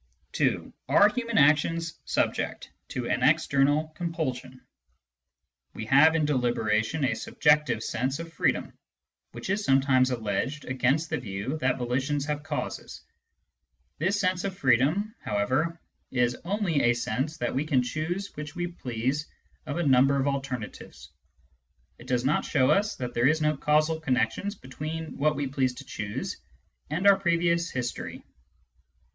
(2) Are human actions subject to an external compulsion ? We have, in deliberation, a subjective sense of freedom, which is sometimes alleged against the view that volitions have causes. This sense of freedom, however, is only a sense that we can choose which we please of a number of alternatives : it does not show us that there is no causal connection between what we please to choose and our previous history.